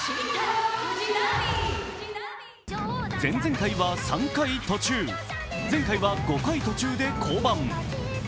前々回は３回途中、前回は５回途中で降板。